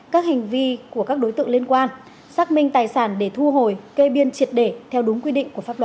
các hành vi của các đối tượng liên quan xác minh tài sản để thu hồi kê biên triệt để theo đúng quy định của pháp luật